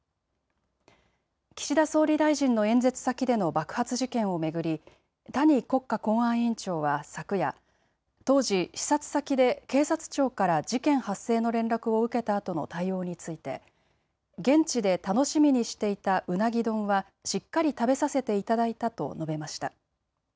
岸田総理大臣の演説先での爆発事件を巡り谷国家公安委員長は昨夜、当時視察先で警察庁から事件発生の連絡を受けたあとの対応について現地で楽しみにしていたうなぎ丼はしっかり食べさせていただいたと述べました。